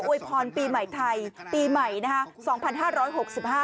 อวยพรปีใหม่ไทยปีใหม่นะฮะ